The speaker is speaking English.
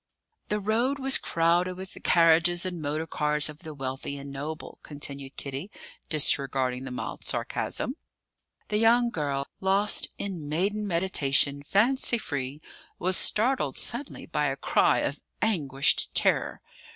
"'The road was crowded with the carriages and motor cars of the wealthy and noble,'" continued Kitty, disregarding the mild sarcasm; "'the young girl, lost "in maiden meditation, fancy free," was startled suddenly by a cry of anguished terror.